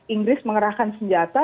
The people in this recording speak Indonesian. inggris mengerahkan senjata